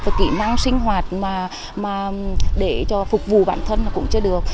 và kỹ năng sinh hoạt mà để cho phục vụ bản thân là cũng chưa được